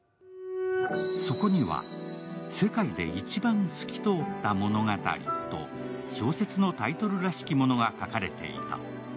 そこには「世界でいちばん透きとおった物語」と小説のタイトルらしきものが書かれていた。